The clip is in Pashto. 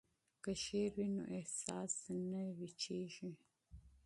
که شعر وي نو احساس نه وچیږي.